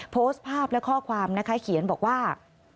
โพสต์ภาพและข้อความนะคะเขียนบอกว่า